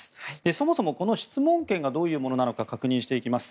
そもそもこの質問権がどういうものなのか確認していきます。